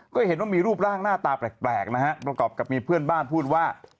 ก็เห็นว่ามีรูปร่างหน้าตาแปลกนะฮะประกอบกับมีเพื่อนบ้านพูดว่า